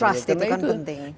trust itu kan penting